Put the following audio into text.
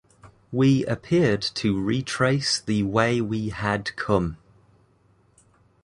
We appeared to retrace the way we had come.